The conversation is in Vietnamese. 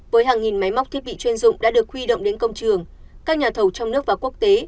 với hàng nghìn máy móc thiết bị chuyên dụng đã được huy động đến công trường các nhà thầu trong nước và quốc tế